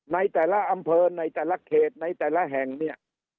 ในแต่ละอำเภอในแต่ละเขตในแต่ละแห่งเนี่ย